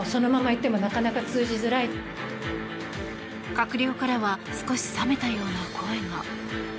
閣僚からは少し冷めたような声が。